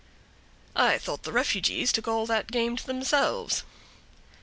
"I thought the Refugees took all that game to themselves."